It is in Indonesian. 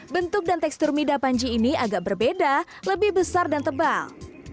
bentuk dan tekstur mida panji ini agak berbeda lebih besar dan tebal